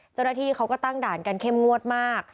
เจ้าหน้าที่เขาก็ตั้งด่านกันเข้มงวดมาก